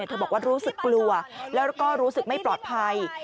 เธอบอกว่ารู้สึกกลัวแล้วก็รู้สึกไม่ปลอดภัย